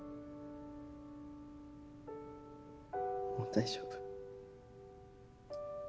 もう大丈夫。